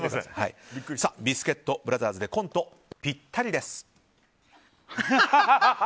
ビスケットブラザーズでコント「ぴったり」です。